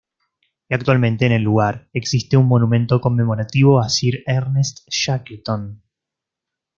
Y actualmente en el lugar existe un monumento conmemorativo a Sir Ernest Shackleton.